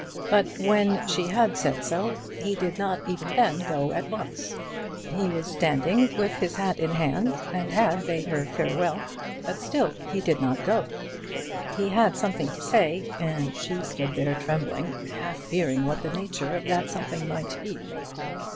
But when she had said so he did not even then go at once. He was standing with his hat in hand, and had bade her farewell; but still he did not go. He had something to say, and she stood there trembling, half fearing what the nature of that something might be.